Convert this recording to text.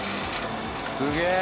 すげえ。